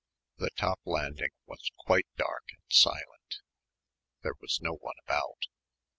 The top landing was quite dark and silent. There was no one about.